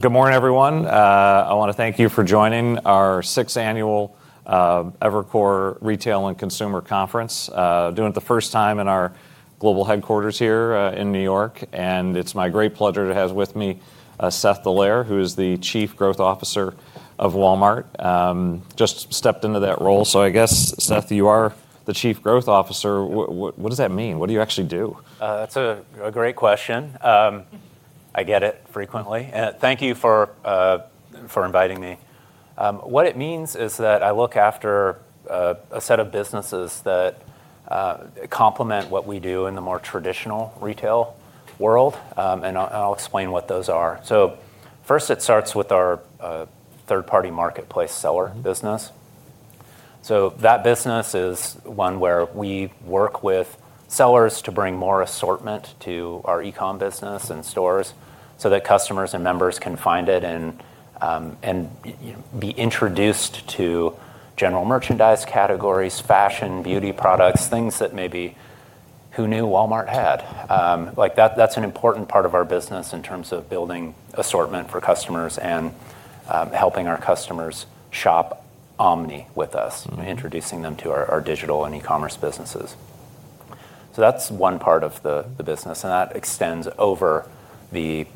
Good morning, everyone. I want to thank you for joining our Sixth Annual Evercore Retail and Consumer Conference. Doing it the first time in our global headquarters here in New York, and it's my great pleasure to have with me Seth Dallaire, who is the Chief Growth Officer of Walmart. Just stepped into that role. I guess, Seth, you are the Chief Growth Officer. What does that mean? What do you actually do? That's a great question. I get it frequently. Thank you for inviting me. What it means is that I look after a set of businesses that complement what we do in the more traditional retail world, and I'll explain what those are. First, it starts with our third-party marketplace seller business. That business is one where we work with sellers to bring more assortment to our e-commerce business and stores so that customers and members can find it and be introduced to general merchandise categories, fashion, beauty products, things that maybe who knew Walmart had. That's an important part of our business in terms of building assortment for customers and helping our customers shop omni-channel with us. Introducing them to our digital and e-commerce businesses. That's one part of the business, and that extends over the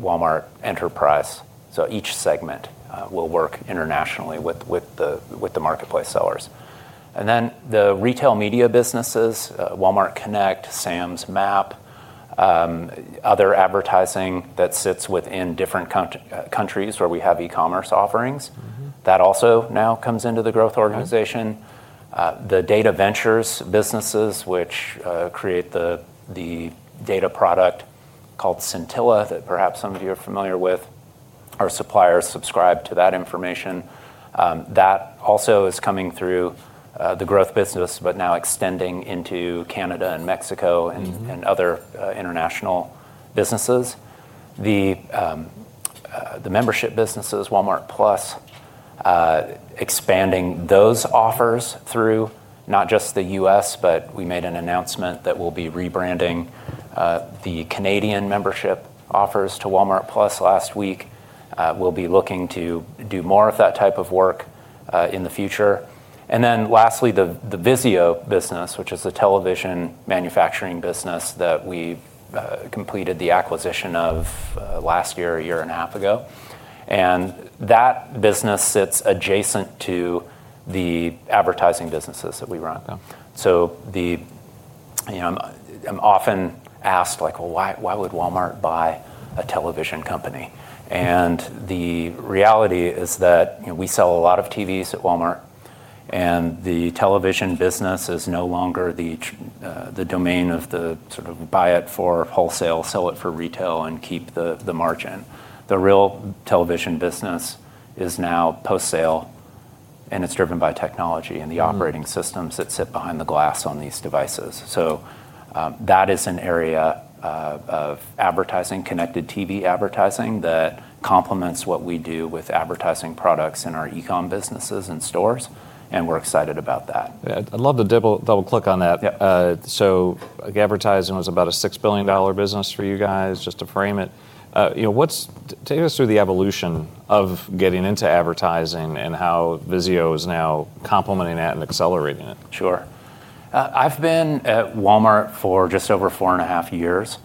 Walmart Enterprise. Each segment will work internationally with the marketplace sellers. The retail media businesses, Walmart Connect, Sam's MAP, other advertising that sits within different countries where we have e-commerce offerings. That also now comes into the growth organization. The Data Ventures businesses, which create the data product called Scintilla, that perhaps some of you are familiar with. Our suppliers subscribe to that information. That also is coming through the growth business but now extending into Canada and Mexico and other international businesses. The membership businesses, Walmart+, expanding those offers through not just the U.S., but we made an announcement that we'll be rebranding the Canadian membership offers to Walmart+ last week. We'll be looking to do more of that type of work in the future. Lastly, the VIZIO business, which is the television manufacturing business that we completed the acquisition of last year, 1.5 years ago. That business sits adjacent to the advertising businesses that we run. Okay. I'm often asked, "Well, why would Walmart buy a television company?" The reality is that we sell a lot of TVs at Walmart, and the television business is no longer the domain of the sort of buy it for wholesale, sell it for retail, and keep the margin. The real television business is now post-sale, and it's driven by technology and the operating systems that sit behind the glass on these devices. That is an area of advertising, Connected TV advertising, that complements what we do with advertising products in our e-commerce businesses and stores, we're excited about that. Yeah. I'd love to double-click on that. So, advertising was about a $6 billion business for you guys, just to frame it. Take us through the evolution of getting into advertising and how VIZIO is now complementing that and accelerating it? Sure. I've been at Walmart for just over 4.5 years,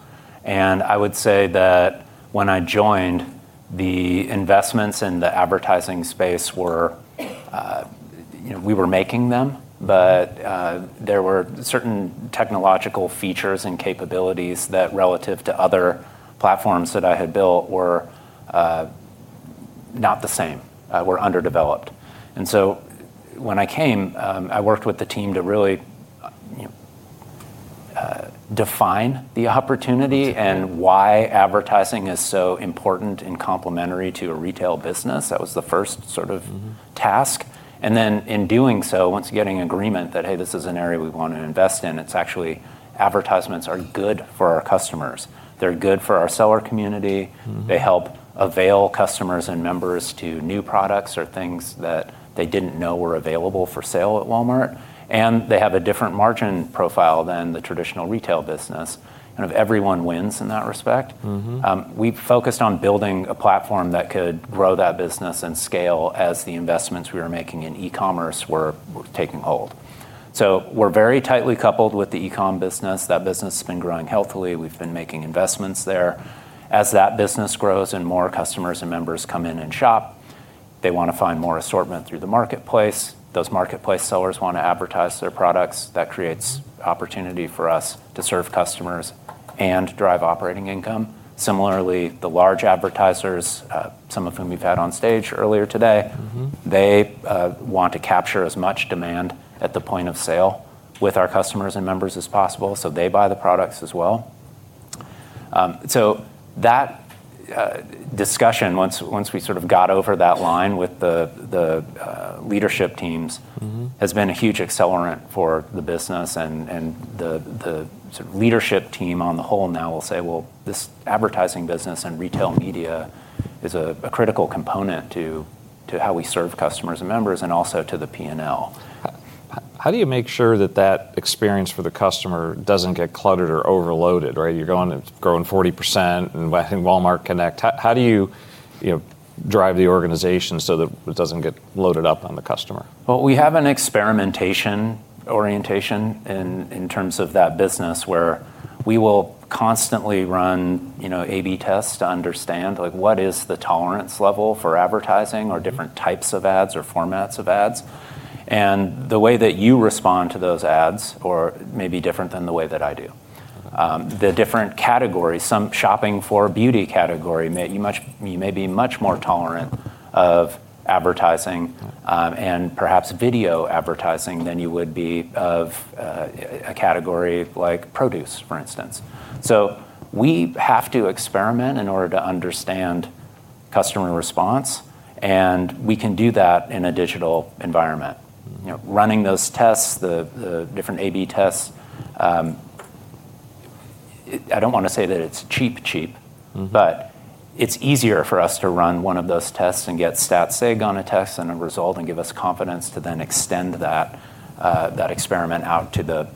and I would say that when I joined, the investments in the advertising space were, we were making them, but there were certain technological features and capabilities that relative to other platforms that I had built, were not the same, were underdeveloped. When I came, I worked with the team to really define the opportunity and why advertising is so important and complementary to a retail business. That was the first sort of task. In doing so, once getting agreement that, hey, this is an area we want to invest in, its actually advertisements are good for our customers. They're good for our seller community. They help avail customers and members to new products or things that they didn't know were available for sale at Walmart. They have a different margin profile than the traditional retail business, kind of everyone wins in that respect. We focused on building a platform that could grow that business and scale as the investments we were making in e-commerce were taking hold. We're very tightly coupled with the e-commerce business. That business has been growing healthily. We've been making investments there. As that business grows and more customers and members come in and shop, they want to find more assortment through the marketplace. Those marketplace sellers want to advertise their products. That creates opportunity for us to serve customers and drive operating income. Similarly, the large advertisers, some of whom we've had on stage earlier today they want to capture as much demand at the point of sale with our customers and members as possible. They buy the products as well. That discussion, once we sort of got over that line with the leadership teams has been a huge accelerant for the business. The leadership team on the whole now will say, "Well, this advertising business and retail media is a critical component to how we serve customers and members, and also to the P&L." How do you make sure that that experience for the customer doesn't get cluttered or overloaded? You're growing 40% in Walmart Connect. How do you drive the organization so that it doesn't get loaded up on the customer? Well, we have an experimentation orientation in terms of that business, where we will constantly run AB tests to understand what is the tolerance level for advertising or different types of ads or formats of ads. The way that you respond to those ads may be different than the way that I do. The different categories. Some shopping for beauty category, you may be much more tolerant of advertising and perhaps video advertising than you would be of a category like produce, for instance. We have to experiment in order to understand customer response, and we can do that in a digital environment. Running those tests, the different AB tests, I don't want to say that it's cheap-cheap, but it's easier for us to run one of those tests and get statistical significance on a test and a result and give us confidence to then extend that experiment out to the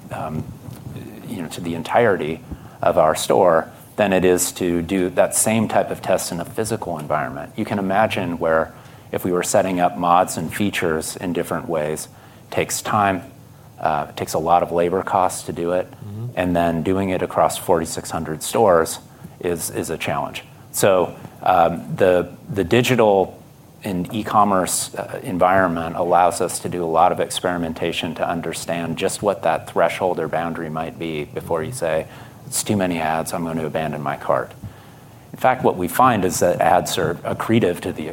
entirety of our store, than it is to do that same type of test in a physical environment. You can imagine where if we were setting up mods and features in different ways, takes time, takes a lot of labor costs to do it. Doing it across 4,600 stores is a challenge. The digital and e-commerce environment allows us to do a lot of experimentation to understand just what that threshold or boundary might be before you say, "It's too many ads. I'm going to abandon my cart." In fact, what we find is that ads are accretive to the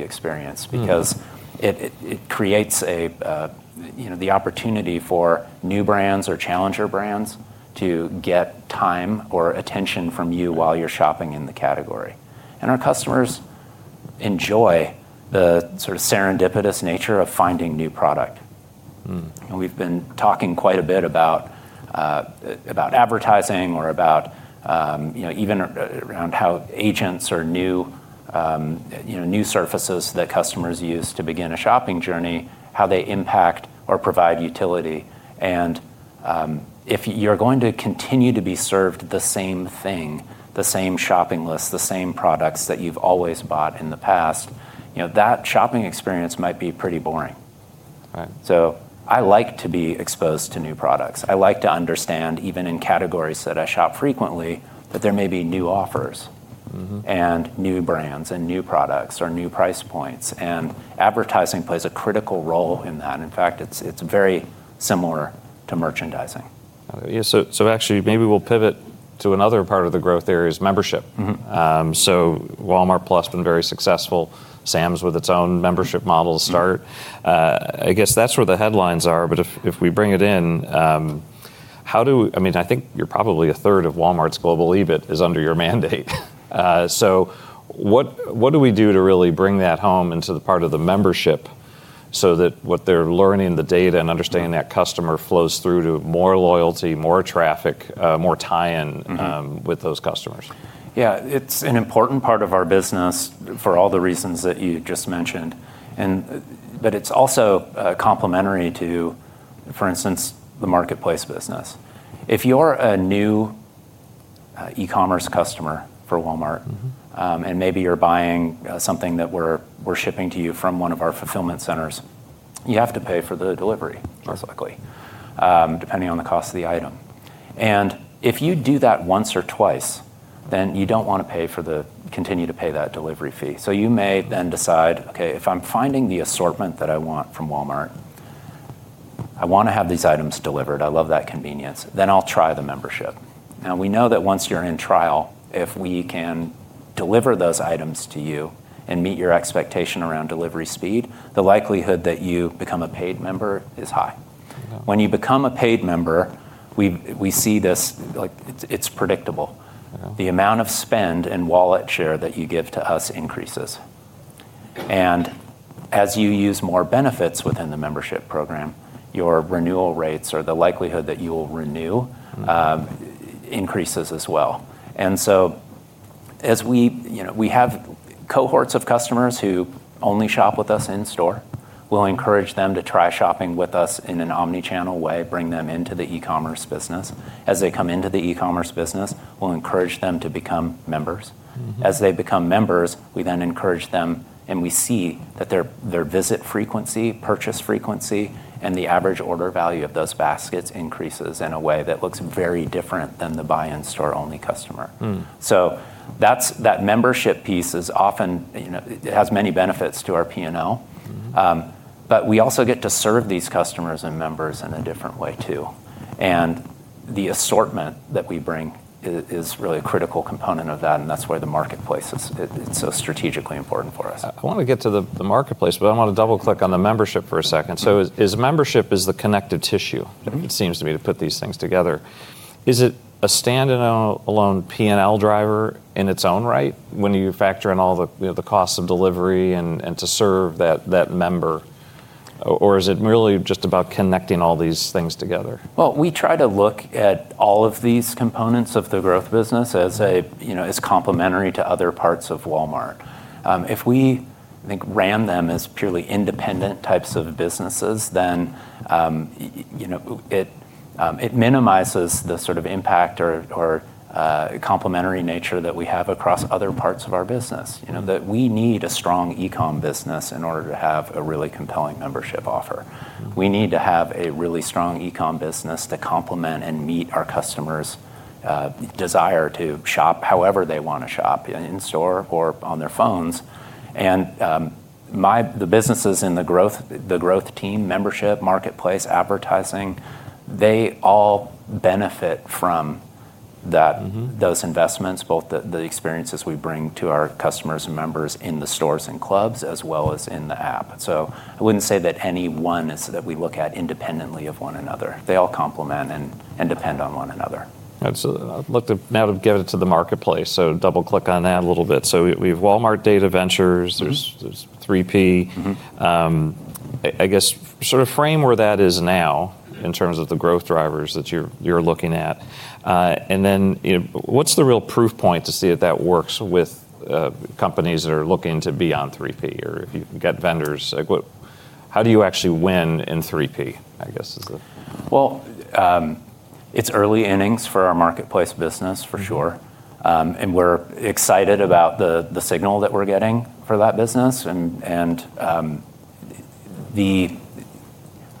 experience because it creates the opportunity for new brands or challenger brands to get time or attention from you while you're shopping in the category. Our customers enjoy the serendipitous nature of finding new product. We've been talking quite a bit about advertising or about even around how agents or new surfaces that customers use to begin a shopping journey, how they impact or provide utility. If you're going to continue to be served the same thing, the same shopping list, the same products that you've always bought in the past, that shopping experience might be pretty boring. Right. I like to be exposed to new products. I like to understand, even in categories that I shop frequently, that there may be new offers. New brands and new products or new price points, and advertising plays a critical role in that. In fact, it's very similar to merchandising. Yeah. Actually, maybe we'll pivot to another part of the growth area, is membership. Walmart+ been very successful. Sam's with its own membership model start. I guess that's where the headlines are, but if we bring it in. I think probably a third of Walmart's global EBIT is under your mandate. What do we do to really bring that home into the part of the membership so that what they're learning, the data, and understanding that customer flows through to more loyalty, more traffic, more tie-in with those customers? Yeah. It's an important part of our business for all the reasons that you just mentioned, but it's also complementary to, for instance, the marketplace business. If you're a new e-commerce customer for Walmart. Maybe you're buying something that we're shipping to you from one of our fulfillment centers, you have to pay for the delivery most likely, depending on the cost of the item. If you do that once or twice, you don't want to continue to pay that delivery fee. You may then decide, okay, if I'm finding the assortment that I want from Walmart, I want to have these items delivered. I love that convenience. I'll try the membership. We know that once you're in trial, if we can deliver those items to you and meet your expectation around delivery speed, the likelihood that you become a paid member is high. Wow. When you become a paid member, we see this. It's predictable. The amount of spend and wallet share that you give to us increases. As you use more benefits within the membership program, your renewal rates or the likelihood that you will renew increases as well. We have cohorts of customers who only shop with us in store. We'll encourage them to try shopping with us in an omni-channel way, bring them into the e-commerce business. As they come into the e-commerce business, we'll encourage them to become members. They become members, we then encourage them, and we see that their visit frequency, purchase frequency, and the average order value of those baskets increases in a way that looks very different than the buy-in store only customer. That membership piece it has many benefits to our P&L. We also get to serve these customers and members in a different way, too. The assortment that we bring is really a critical component of that, and that's why the marketplace, it's so strategically important for us. I want to get to the marketplace, but I want to double-click on the membership for a second. Is membership the connective tissue? It seems to me, to put these things together. Is it a standalone P&L driver in its own right when you factor in all the costs of delivery and to serve that member, or is it really just about connecting all these things together? Well, we try to look at all of these components of the growth business as complementary to other parts of Walmart. If we, I think, ran them as purely independent types of businesses, then it minimizes the impact or complementary nature that we have across other parts of our business. That we need a strong e-commerce business in order to have a really compelling membership offer. We need to have a really strong e-commerce business to complement and meet our customers' desire to shop however they want to shop, in store or on their phones. The businesses in the growth team, membership, marketplace, advertising, they all benefit from those investments, both the experiences we bring to our customers and members in the stores and clubs, as well as in the app. I wouldn't say that any one is that we look at independently of one another. They all complement and depend on one another. Absolutely. To get into the marketplace. Double click on that a little bit. We have Walmart Data Ventures, there's 3P. I guess, frame where that is now in terms of the growth drivers that you're looking at. What's the real proof point to see if that works with companies that are looking to be on 3P, or if you can get vendors. How do you actually win in 3P? Well, it's early innings for our marketplace business for sure. We're excited about the signal that we're getting for that business and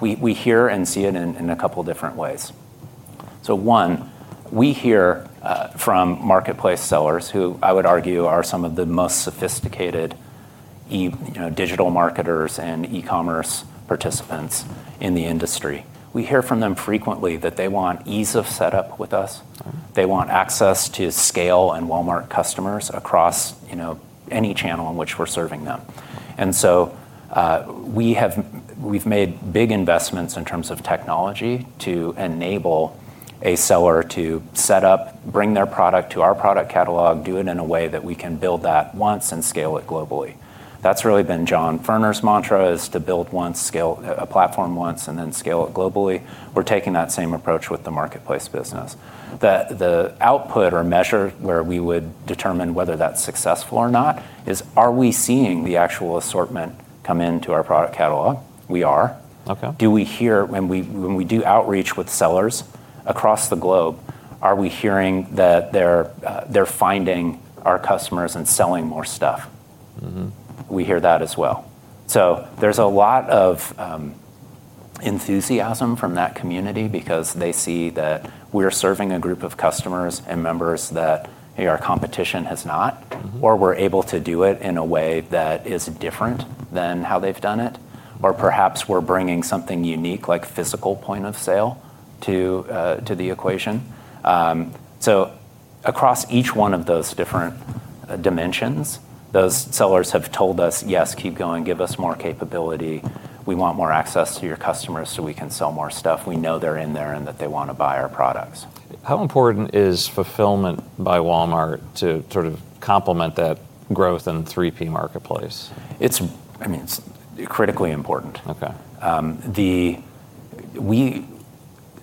we hear and see it in a couple different ways. One, we hear from marketplace sellers who I would argue are some of the most sophisticated digital marketers and e-commerce participants in the industry. We hear from them frequently that they want ease of setup with us. They want access to scale and Walmart customers across any channel in which we're serving them. We've made big investments in terms of technology to enable a seller to set up, bring their product to our product catalog, do it in a way that we can build that once and scale it globally. That's really been John Furner's mantra is to build a platform once and then scale it globally. We're taking that same approach with the marketplace business. The output or measure where we would determine whether that's successful or not is are we seeing the actual assortment come into our product catalog? We are. Okay. Do we hear when we do outreach with sellers across the globe, are we hearing that they're finding our customers and selling more stuff? We hear that as well. There's a lot of enthusiasm from that community because they see that we're serving a group of customers and members that our competition has not, or we're able to do it in a way that is different than how they've done it. Perhaps we're bringing something unique like physical point of sale to the equation. Across each one of those different dimensions, those sellers have told us, "Yes, keep going. Give us more capability. We want more access to your customers so we can sell more stuff. We know they're in there and that they want to buy our products." How important is Walmart Fulfillment Services to complement that growth in 3P marketplace? It's critically important. Okay.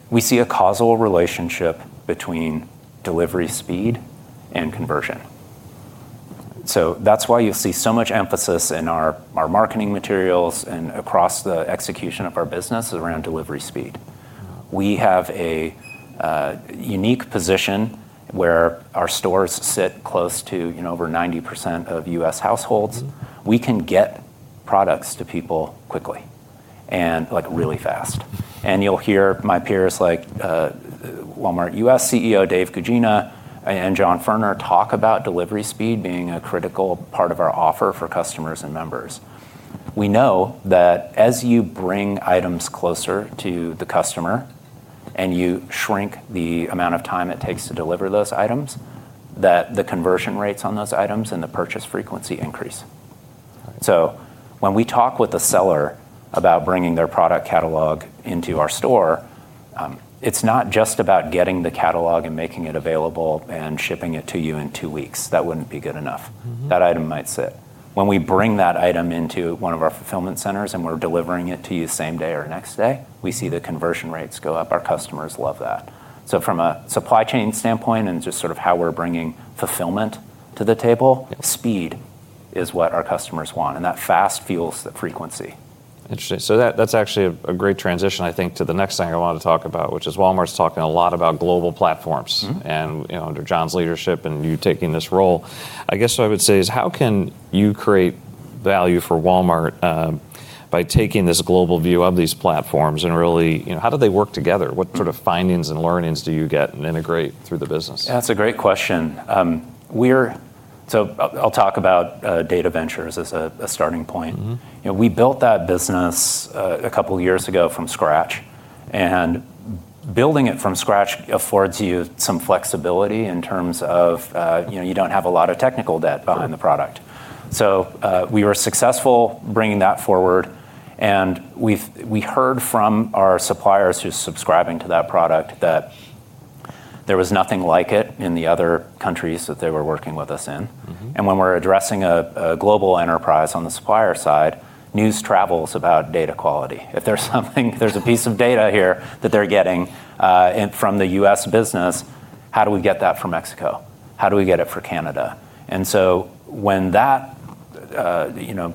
We see a causal relationship between delivery speed and conversion. That's why you'll see so much emphasis in our marketing materials and across the execution of our business around delivery speed. We have a unique position where our stores sit close to over 90% of U.S. households. We can get products to people quickly and really fast. You'll hear my peers like Walmart U.S. CEO, David Guggina, and John Furner, talk about delivery speed being a critical part of our offer for customers and members. We know that as you bring items closer to the customer and you shrink the amount of time it takes to deliver those items, that the conversion rates on those items and the purchase frequency increase. When we talk with a seller about bringing their product catalog into our store, it's not just about getting the catalog and making it available and shipping it to you in 2 weeks. That wouldn't be good enough. That item might sit. When we bring that item into one of our fulfillment centers and we're delivering it to you same day or next day, we see the conversion rates go up. Our customers love that. From a supply chain standpoint and just how we're bringing fulfillment to the table, speed is what our customers want, and that fast fuels the frequency. Interesting. That's actually a great transition, I think, to the next thing I want to talk about, which is Walmart's talking a lot about global platforms. Under John's leadership and you taking this role, I guess what I would say is how can you create value for Walmart by taking this global view of these platforms and really how do they work together? What sort of findings and learnings do you get and integrate through the business? That's a great question. I'll talk about Data Ventures as a starting point. We built that business a couple years ago from scratch. Building it from scratch affords you some flexibility in terms of you don't have a lot of technical debt behind the product. We were successful bringing that forward, and we heard from our suppliers who's subscribing to that product that there was nothing like it in the other countries that they were working with us in. When we're addressing a global enterprise on the supplier side, news travels about data quality. If there's a piece of data here that they're getting from the U.S. business. How do we get that for Mexico? How do we get it for Canada? When that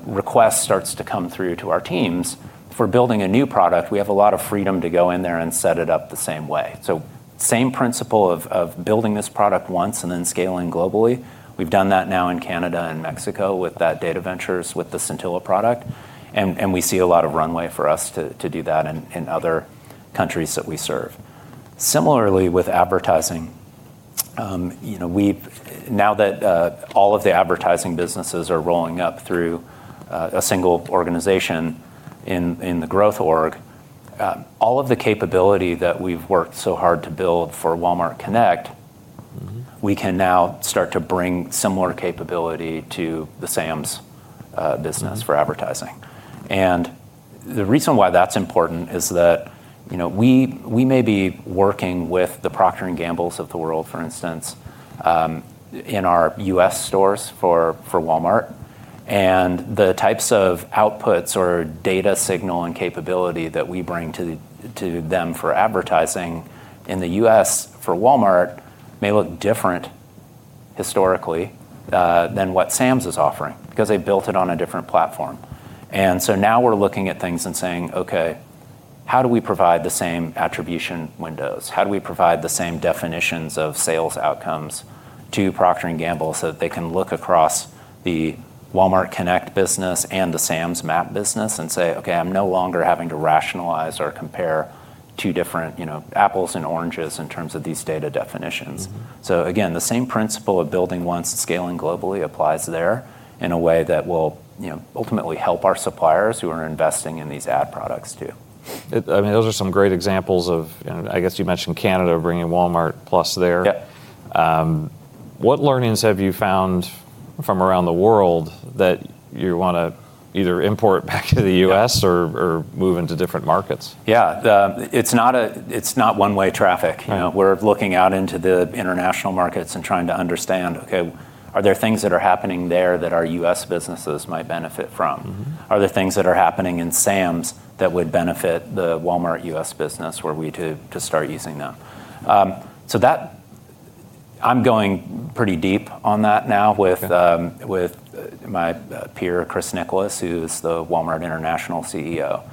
request starts to come through to our teams for building a new product, we have a lot of freedom to go in there and set it up the same way. Same principle of building this product once and then scaling globally. We've done that now in Canada and Mexico with that Data Ventures, with the Scintilla product, and we see a lot of runways for us to do that in other countries that we serve. Similarly, with advertising, now that all of the advertising businesses are rolling up through a single organization in the growth org, all of the capability that we've worked so hard to build for Walmart Connect, we can now start to bring similar capability to the Sam's business for advertising. The reason why that's important is that we may be working with the Procter & Gamble of the world, for instance, in our U.S. stores for Walmart. The types of outputs or data signal and capability that we bring to them for advertising in the U.S. for Walmart may look different historically than what Sam's is offering, because they built it on a different platform. Now we're looking at things and saying, "Okay, how do we provide the same attribution windows? How do we provide the same definitions of sales outcomes to Procter & Gamble so that they can look across the Walmart Connect business and the Sam's MAP business and say," 'Okay, I'm no longer having to rationalize or compare two different apples and oranges in terms of these data definitions.' Again, the same principle of building once and scaling globally applies there in a way that will ultimately help our suppliers who are investing in these ad products too. Those are some great examples of, I guess you mentioned Canada bringing Walmart+ there. Yep. What learnings have you found from around the world that you want to either import back to the U.S. or move into different markets? Yeah. It's not one-way traffic. Right. We're looking out into the international markets and trying to understand, okay, are there things that are happening there that our U.S. businesses might benefit from? Are there things that are happening in Sam's that would benefit the Walmart U.S. business were we to start using them? I'm going pretty deep on that now with my peer, Chris Nicholas, who's the Walmart International CEO.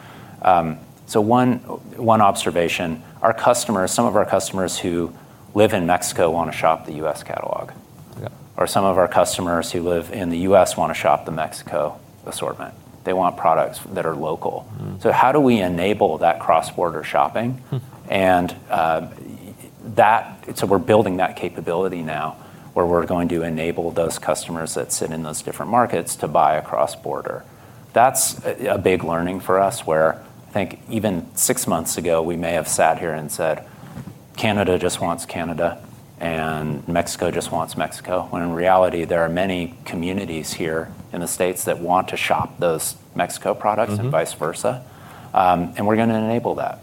One observation, some of our customers who live in Mexico want to shop the U.S. catalog. Yeah. Some of our customers who live in the U.S. want to shop the Mexico assortment. They want products that are local. How do we enable that cross-border shopping? We're building that capability now, where we're going to enable those customers that sit in those different markets to buy across border. That's a big learning for us, where I think even 6 months ago, we may have sat here and said, "Canada just wants Canada, and Mexico just wants Mexico," when in reality, there are many communities here in the States that want to shop those Mexico products and vice versa. We're going to enable that.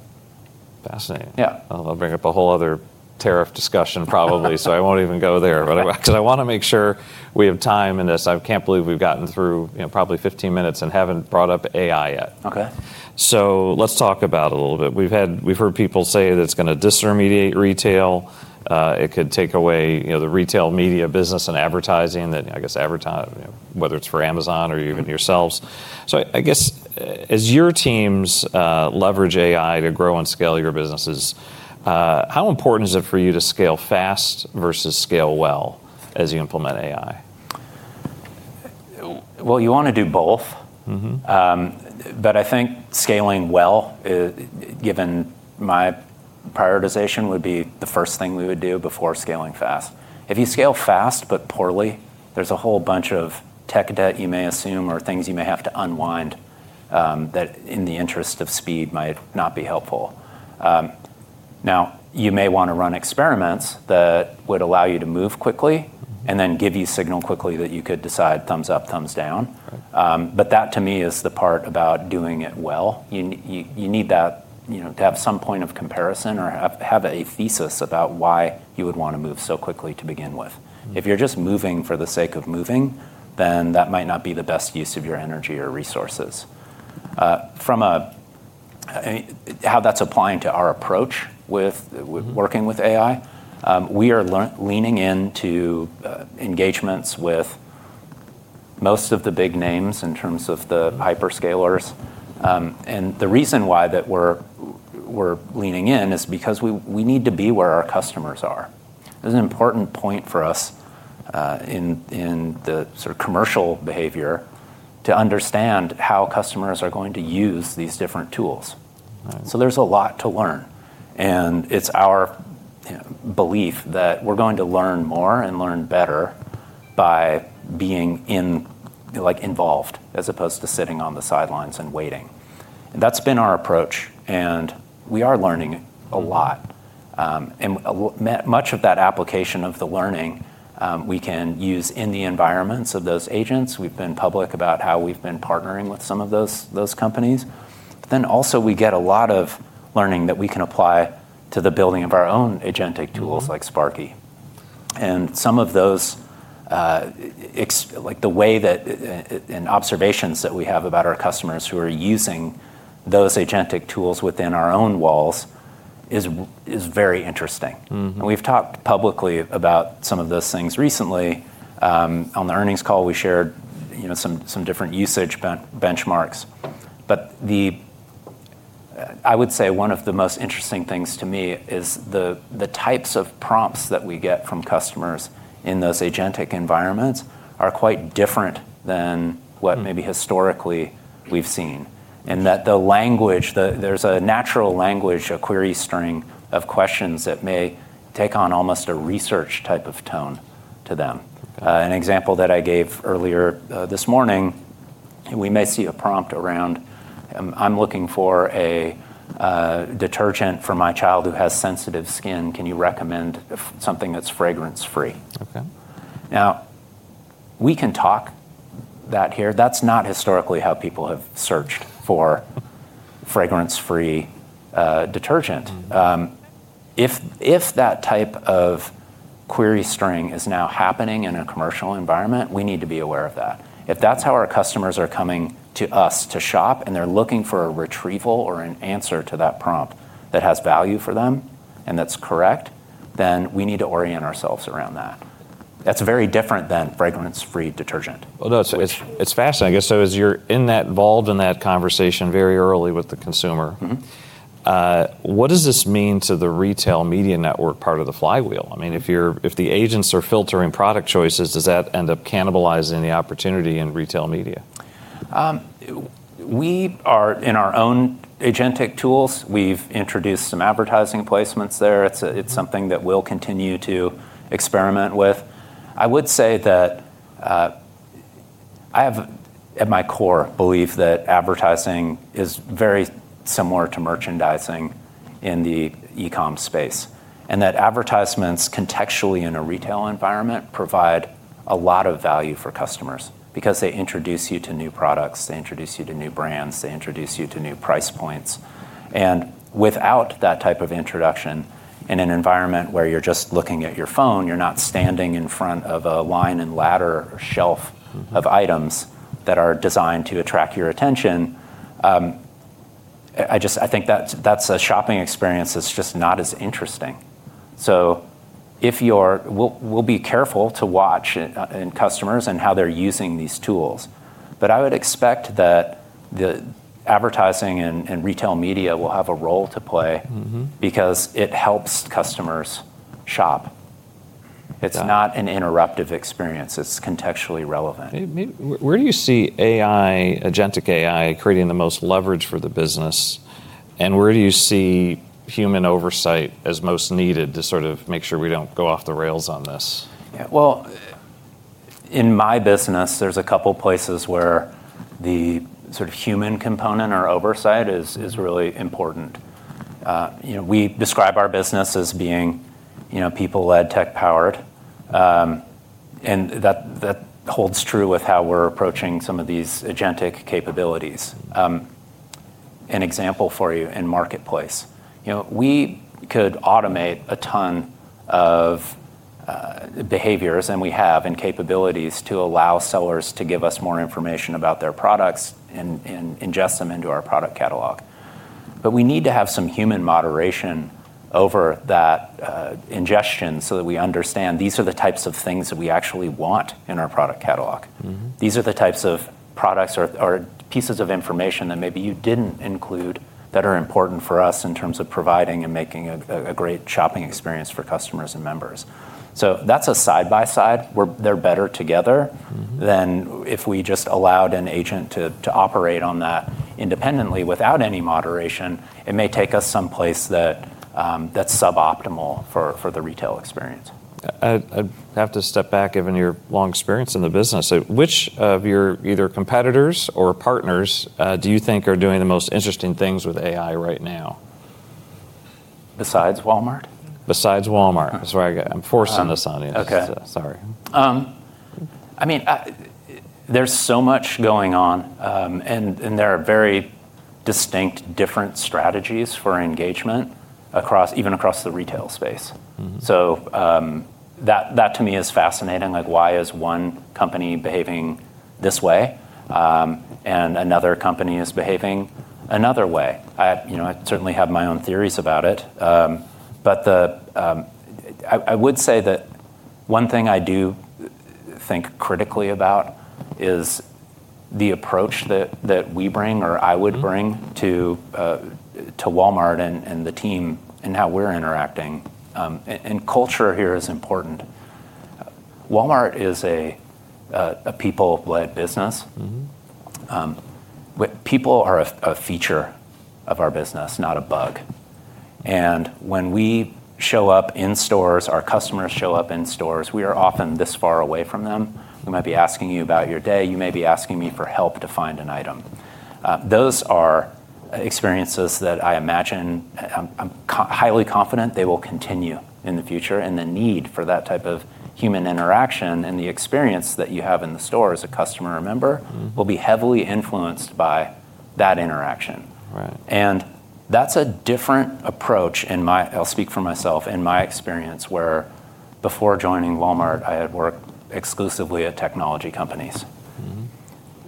Fascinating. Yeah. That'll bring up a whole other tariff discussion probably, so I won't even go there. Right. I want to make sure we have time in this. I can't believe we've gotten through probably 15 minutes and haven't brought up AI yet. Okay. Let's talk about it a little bit. We've heard people say that it's going to disintermediate retail. It could take away the retail media business and advertising, I guess advertise, whether it's for Amazon or even yourselves. I guess as your teams leverage AI to grow and scale your businesses, how important is it for you to scale fast versus scale well as you implement AI? Well, you want to do both. I think scaling well, given my prioritization, would be the first thing we would do before scaling fast. If you scale fast but poorly, there's a whole bunch of tech debt you may assume, or things you may have to unwind, that in the interest of speed might not be helpful. You may want to run experiments that would allow you to move quickly and give you signal quickly that you could decide thumbs up, thumbs down. Right. That to me is the part about doing it well. You need that to have some point of comparison or have a thesis about why you would want to move so quickly to begin with. If you're just moving for the sake of moving, that might not be the best use of your energy or resources. How that's applying to our approach working with AI, we are leaning into engagements with most of the big names in terms of the hyperscalers. The reason why that we're leaning in is because we need to be where our customers are. That is an important point for us in the commercial behavior to understand how customers are going to use these different tools. Right. There's a lot to learn, and it's our belief that we're going to learn more and learn better by being involved as opposed to sitting on the sidelines and waiting. That's been our approach, and we are learning a lot. Much of that application of the learning, we can use in the environments of those agents. We've been public about how we've been partnering with some of those companies. Also we get a lot of learning that we can apply to the building of our own agentic tools like Sparky. Some of those, the way that in observations that we have about our customers who are using those agentic tools within our own walls is very interesting. We've talked publicly about some of those things recently. On the earnings call, we shared some different usage benchmarks. I would say one of the most interesting things to me is the types of prompts that we get from customers in those agentic environments are quite different than what maybe historically we've seen. That the language, there's a natural language, a query string of questions that may take on almost a research type of tone to them. An example that I gave earlier this morning, we may see a prompt around, "I'm looking for a detergent for my child who has sensitive skin. Can you recommend something that's fragrance-free?" Okay. Now, we can talk that here. That's not historically how people have searched for fragrance-free detergent. If that type of query string is now happening in a commercial environment, we need to be aware of that. If that's how our customers are coming to us to shop, and they're looking for a retrieval or an answer to that prompt that has value for them and that's correct, we need to orient ourselves around that. That's very different than fragrance-free detergent. Well, no, it's fascinating. I guess so as you're involved in that conversation very early with the consumer. What does this mean to the retail media network part of the flywheel? If the agents are filtering product choices, does that end up cannibalizing the opportunity in retail media? In our own agentic tools, we've introduced some advertising placements there. It's something that we'll continue to experiment with. I would say that I have, at my core, belief that advertising is very similar to merchandising in the e-comm space. Advertisements contextually in a retail environment provide a lot of value for customers because they introduce you to new products, they introduce you to new brands, they introduce you to new price points and without that type of introduction, in an environment where you're just looking at your phone, you're not standing in front of a line and ladder or shelf of items that are designed to attract your attention. I think that's a shopping experience that's just not as interesting. We'll be careful to watch in customers and how they're using these tools. I would expect that the advertising and retail media will have a role to play because it helps customers shop it's not an interruptive experience. It's contextually relevant. Where do you see agentic AI creating the most leverage for the business, and where do you see human oversight as most needed to sort of make sure we don't go off the rails on this? Well, in my business, there's a couple places where the human component or oversight is really important. We describe our business as being people-led, tech-powered. That holds true with how we're approaching some of these agentic capabilities. An example for you in marketplace. We could automate a ton of behaviors, and we have, and capabilities to allow sellers to give us more information about their products and ingest them into our product catalog. We need to have some human moderation over that ingestion so that we understand these are the types of things that we actually want in our product catalog. These are the types of products or pieces of information that maybe you didn't include that are important for us in terms of providing and making a great shopping experience for customers and members. That's a side-by-side where they're better together, than if we just allowed an agent to operate on that independently without any moderation. It may take us someplace that's suboptimal for the retail experience. I have to step back, given your long experience in the business. Which of your either competitors or partners do you think are doing the most interesting things with AI right now? Besides Walmart? Besides Walmart. That's what I got. I'm forcing this on you. Okay. Sorry. There's so much going on, and there are very distinct different strategies for engagement even across the retail space. That to me is fascinating, like why is one company behaving this way and another company is behaving another way. I certainly have my own theories about it. I would say that one thing I do think critically about is the approach that we bring or I would bring to Walmart and the team and how we're interacting and culture here is important. Walmart is a people-led business. People are a feature of our business, not a bug. When we show up in stores, our customers show up in stores, we are often this far away from them. We might be asking you about your day. You may be asking me for help to find an item. Those are experiences that I imagine, I'm highly confident they will continue in the future. The need for that type of human interaction and the experience that you have in the store as a customer or member-will be heavily influenced by that interaction. Right. That's a different approach, I'll speak for myself, in my experience, where before joining Walmart, I had worked exclusively at technology companies.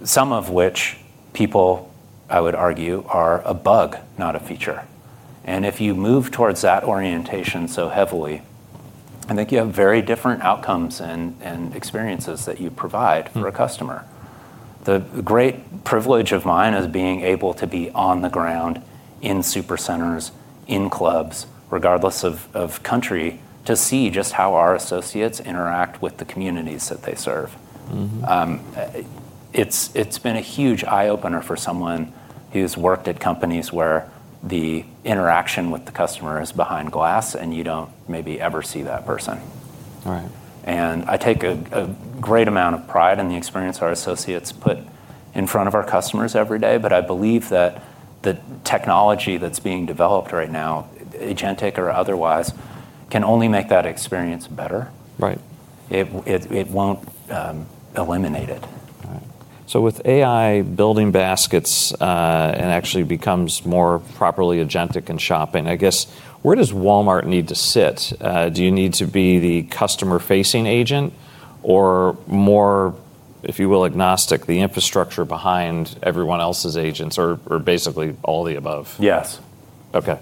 Some of which people, I would argue, are a bug, not a feature. If you move towards that orientation so heavily, I think you have very different outcomes and experiences that you provide for a customer. The great privilege of mine is being able to be on the ground in supercenters, in clubs, regardless of country, to see just how our associates interact with the communities that they serve. It's been a huge eye-opener for someone who's worked at companies where the interaction with the customer is behind glass, and you don't maybe ever see that person. Right. I take a great amount of pride in the experience our associates put in front of our customers every day. I believe that the technology that's being developed right now, agentic or otherwise, can only make that experience better. Right. It won't eliminate it. Right. With AI building baskets, and actually becomes more properly agentic in shopping, I guess where does Walmart need to sit? Do you need to be the customer-facing agent or more, if you will, agnostic, the infrastructure behind everyone else's agents, or basically all the above? Yes. Okay.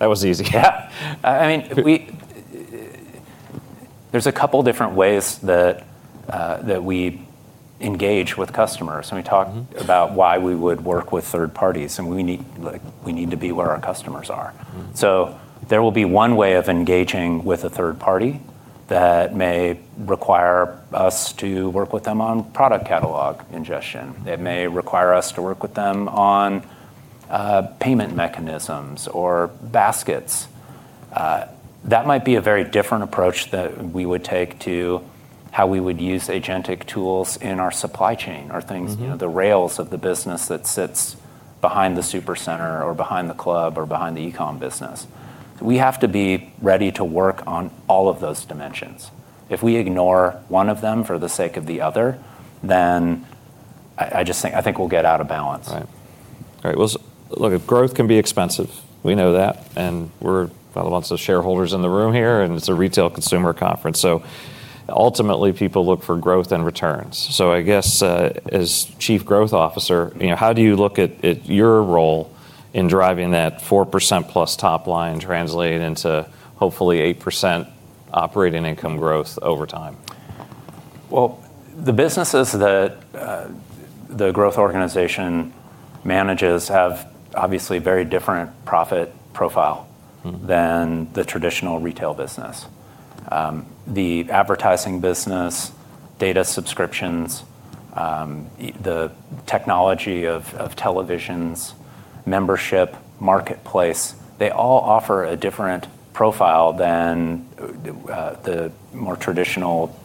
That was an easy Yeah. There's a couple different ways that we engage with customers. We talked about why we would work with third parties. We need to be where our customers are. There will be one way of engaging with a third party that may require us to work with them on product catalog ingestion. It may require us to work with them on payment mechanisms or baskets. That might be a very different approach that we would take to how we would use agentic tools in our supply chain or the rails of the business that sits behind the supercenter or behind the club or behind the e-commerce business. We have to be ready to work on all of those dimensions. If we ignore one of them for the sake of the other, I think we'll get out of balance. Right. Look, growth can be expensive. We know that. We're, well, lots of shareholders in the room here, and it's a retail consumer conference, ultimately people look for growth and returns. I guess, as Chief Growth Officer, how do you look at your role in driving that 4%+ top line translating into hopefully 8% operating income growth over time? The businesses that the growth organization manages have obviously very different profit profile than the traditional retail business. The advertising business, data subscriptions, the technology of televisions, membership, marketplace, they all offer a different profile than the more traditional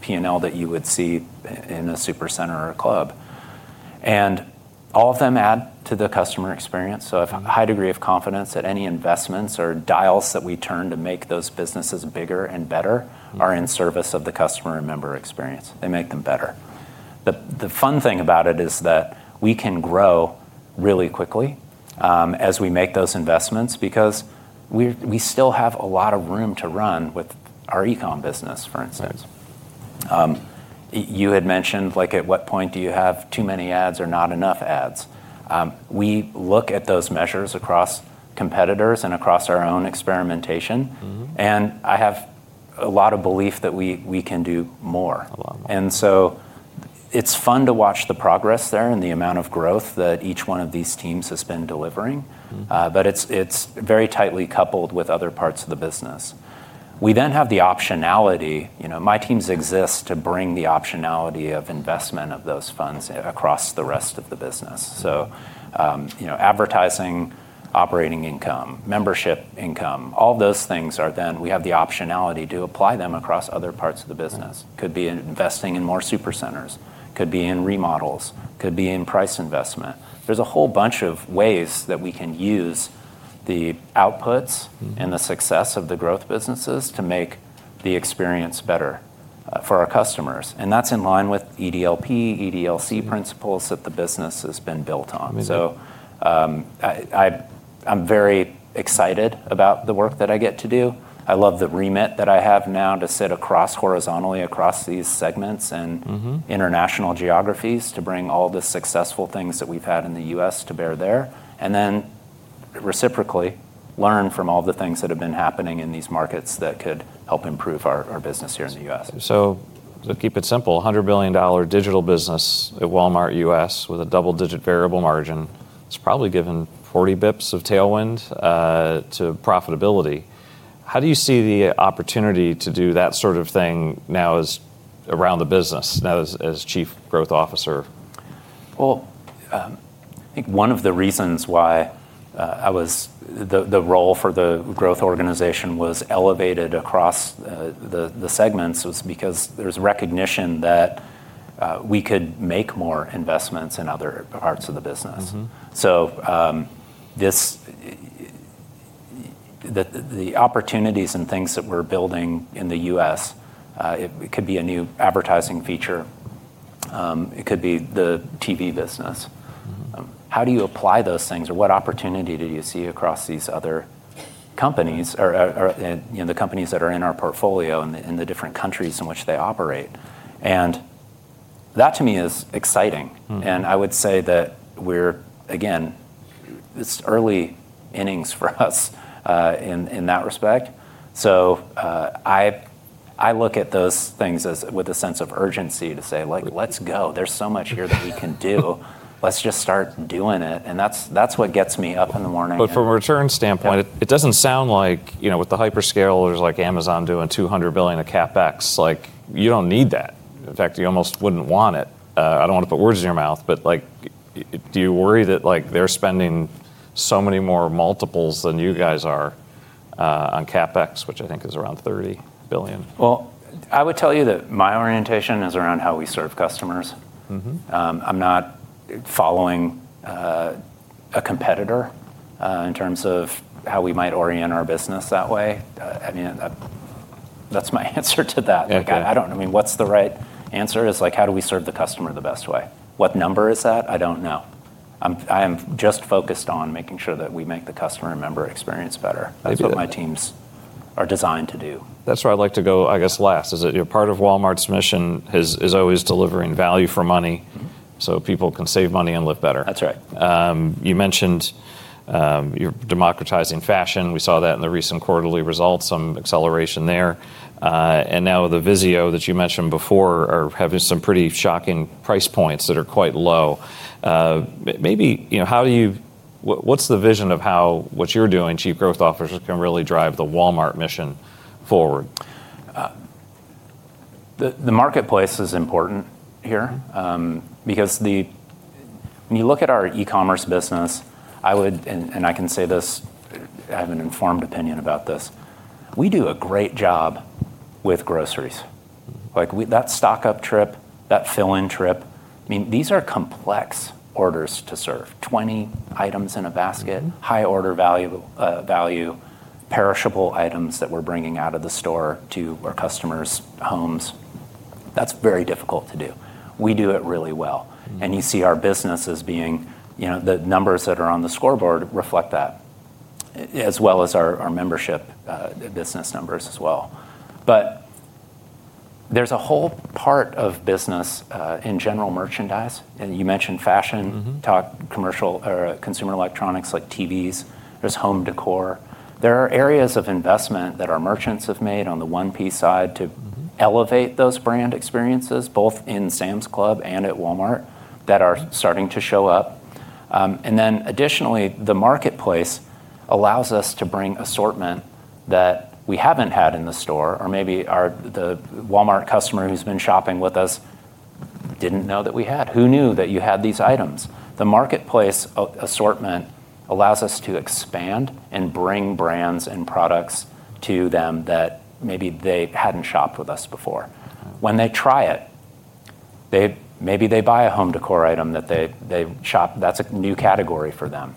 P&L that you would see in a supercenter or a club. All of them add to the customer experience. I've a high degree of confidence that any investments or dials that we turn to make those businesses bigger and better are in service of the customer and member experience. They make them better. The fun thing about it is that we can grow really quickly as we make those investments because we still have a lot of room to run with our e-commerce business, for instance. You had mentioned, at what point do you have too many ads or not enough ads? We look at those measures across competitors and across our own experimentation. I have a lot of belief that we can do more. A lot more. It's fun to watch the progress there and the amount of growth that each one of these teams has been delivering. It's very tightly coupled with other parts of the business. We then have the optionality. My teams exist to bring the optionality of investment of those funds across the rest of the business. Advertising, operating income, membership income, all those things are then, we have the optionality to apply them across other parts of the business. Could be in investing in more supercenters, could be in remodels, could be in price investment. There's a whole bunch of ways that we can use the outputs and success of the growth businesses to make the experience better for our customers. That's in line with EDLP, EDLC principles that the business has been built on. I'm very excited about the work that I get to do. I love the remit that I have now to sit across, horizontally across these segments and international geographies. To bring all the successful things that we've had in the U.S. to bear there, and then reciprocally learn from all the things that have been happening in these markets that could help improve our business here in the U.S. To keep it simple, $100 billion digital business at Walmart U.S. with a double-digit variable margin, it's probably given 40 basis points of tailwind to profitability. How do you see the opportunity to do that sort of thing now around the business, now as Chief Growth Officer? Well, I think one of the reasons why the role for the growth organization was elevated across the segments was because there's recognition that we could make more investments in other parts of the business. The opportunities and things that we're building in the U.S., it could be a new advertising feature, it could be the TV business. How do you apply those things or what opportunity do you see across these other companies or the companies that are in our portfolio in the different countries in which they operate? That to me is exciting, i would say that we're, again, it's early innings for us in that respect. I look at those things with a sense of urgency to say, "Let's go. There's so much here that we can do. Let's just start doing it." That's what gets me up in the morning. From a return standpoint. Yeah It doesn't sound like with the hyperscalers like Amazon doing $200 billion of CapEx, you don't need that. In fact, you almost wouldn't want it. I don't want to put words in your mouth, do you worry that they're spending so many more multiples than you guys are on CapEx, which I think is around $30 billion? Well, I would tell you that my orientation is around how we serve customers. I'm not following a competitor in terms of how we might orient our business that way. That's my answer to that. I don't know. What's the right answer? It's like, how do we serve the customer the best way? What number is that? I don't know. I am just focused on making sure that we make the customer and member experience better. That's good. That's what my teams are designed to do. That's where I'd like to go, I guess, last, is that part of Walmart's mission is always delivering value for money. People can save money and live better. That's right. You mentioned you're democratizing fashion. We saw that in the recent quarterly results, some acceleration there. Now the VIZIO that you mentioned before are having some pretty shocking price points that are quite low. What's the vision of how what you're doing, Chief Growth Officer, can really drive the Walmart mission forward? The marketplace is important here. When you look at our e-commerce business, and I can say this, I have an informed opinion about this, we do a great job with groceries. That stock-up trip, that fill-in trip, these are complex orders to serve. 20 items in a basket-high order value, perishable items that we're bringing out of the store to our customers' homes. That's very difficult to do. We do it really well. You see our business as being the numbers that are on the scoreboard reflect that, as well as our membership business numbers as well. There's a whole part of business in general merchandise, and you mentioned fashion consumer electronics like TVs. There's home decor. There are areas of investment that our merchants have made on the one piece side to elevate those brand experiences, both in Sam's Club and at Walmart, that are starting to show up. Additionally, the marketplace allows us to bring assortment that we haven't had in the store, or maybe the Walmart customer who's been shopping with us didn't know that we had. Who knew that you had these items? The marketplace assortment allows us to expand and bring brands and products to them that maybe they hadn't shopped with us before. When they try it, maybe they buy a home decor item that they've shopped that's a new category for them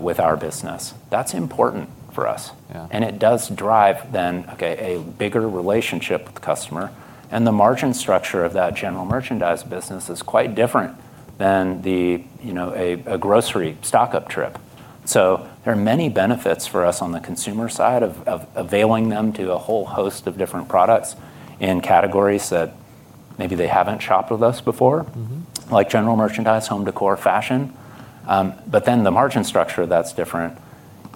with our business. That's important for us. Yeah. It does drive then, okay, a bigger relationship with the customer. The margin structure of that general merchandise business is quite different than a grocery stock-up trip. There are many benefits for us on the consumer side of availing them to a whole host of different products in categories that maybe they haven't shopped with us before. Like general merchandise, home decor, fashion. The margin structure, that's different.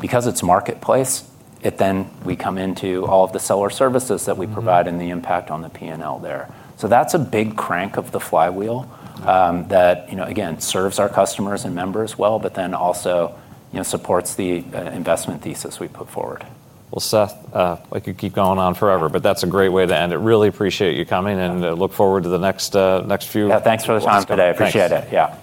Because it's marketplace, it then we come into all of the seller services that we provide. The impact on the P&L there. That's a big crank of the flywheel. That, again, serves our customers and members well, but then also supports the investment thesis we put forward. Well, Seth, I could keep going on forever, but that's a great way to end it. Really appreciate you coming, and look forward to the next few... Yeah, thanks for the time today. Appreciate it. Yeah.